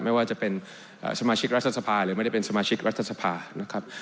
ไม่ว่าจะเป็นสมาชิกรัฐสภาหรือไม่ได้เป็นสมาชิกรัฐสภานะครับ